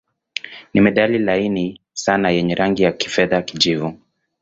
Ni metali laini sana yenye rangi ya kifedha-kijivu.